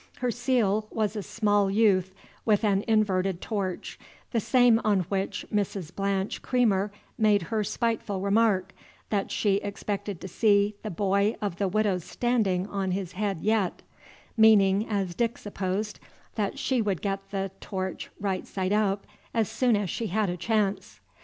Her seal was a small youth with an inverted torch, the same on which Mrs. Blanche Creamer made her spiteful remark, that she expected to see that boy of the Widow's standing on his head yet; meaning, as Dick supposed, that she would get the torch right side up as soon as she had a chance.